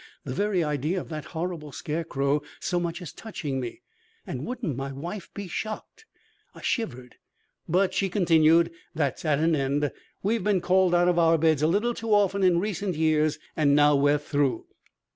The very idea of that horrible scarecrow so much as touching me! and wouldn't my wife be shocked! I shivered. "But," she continued, "that's at an end. We've been called out of our beds a little too often in recent years, and now we're through."